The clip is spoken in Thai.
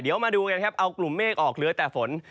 เดี๋ยวมาดูกันครับเอากลุ่มเมฆออกเหลือแต่ฝน